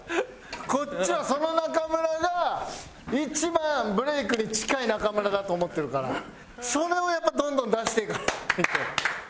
こっちはその中村が一番ブレイクに近い中村だと思ってるからそれをやっぱどんどん出していかないと。